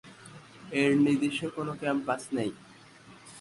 এর নিজস্ব কোন ক্যাম্পাস নেই।